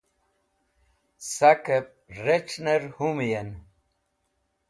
sak'ep rec̃h'ner humuyen